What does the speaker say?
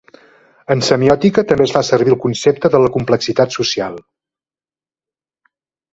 En semiòtica també es fa servir el concepte de la complexitat social.